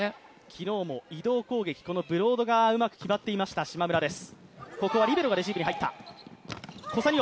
昨日も移動攻撃、ブロードが決まっていたしまむらです。